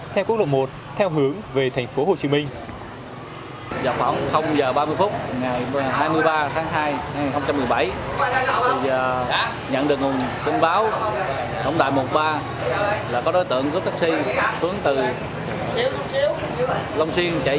theo quốc lộ một theo hướng về thành phố hồ chí minh